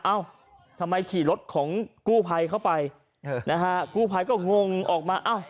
เอ้าทำไมขี่รถของกู้ภัยเข้าไปนะฮะกู้ภัยก็งงออกมาอ้าว